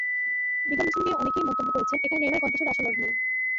বিজ্ঞাপনটি নিয়ে অনেকেই মন্তব্য করেছেন, এখানে নেইমারের কণ্ঠস্বরে আসল দরদ নেই।